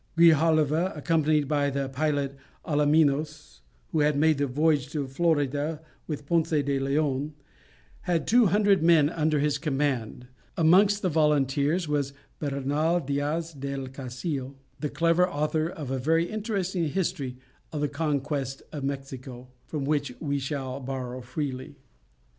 Grijalva, accompanied by the pilot Alaminos, who had made the voyage to Florida with Ponce de Leon, had two hundred men under his command; amongst the volunteers was Bernal Diaz del Castillo, the clever author of a very interesting history of the conquest of Mexico, from which we shall borrow freely.